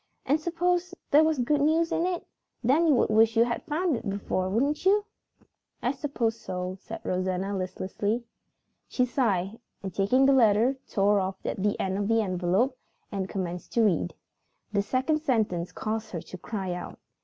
And suppose there was good news in it? Then you would wish you had found it out before, wouldn't you?" "I suppose so," said Rosanna listlessly. She sighed and, taking the letter, tore off the end of the envelope and commenced to read. The second sentence caused her to cry out.